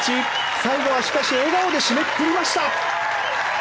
最後はしかし笑顔で締めくくりました。